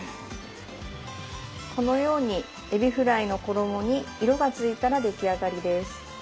このようにえびフライの衣に色がついたら出来上がりです。